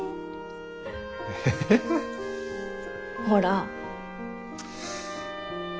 ほら。